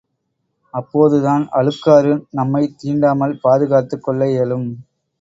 அப்போதுதான் அழுக்காறு நம்மைத் தீண்டாமல் பாதுகாத்துக் கொள்ள இயலும்.